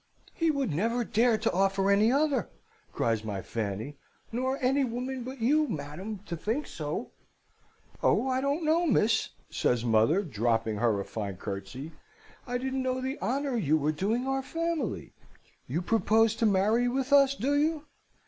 "'He would never dare to offer any other,' cries my Fanny; 'nor any woman but you, madam, to think so!' "'Oh, I didn't know, miss!' says mother, dropping her a fine curtsey, 'I didn't know the honour you were doing our family! You propose to marry with us, do you?